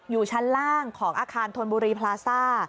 อยู่ชั้นล่างของอาคารธนบุรีพลาซ่า